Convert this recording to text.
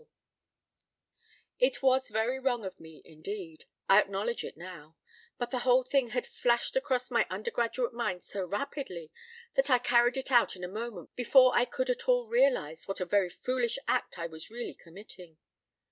p> It was very wrong of me, indeed; I acknowledge it now; but the whole thing had flashed across my undergraduate mind so rapidly that I carried it out in a moment, before I could at all realize what a very foolish act I was really committing.